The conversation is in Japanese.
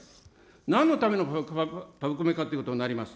なんのためのパブコメかっていうことになります。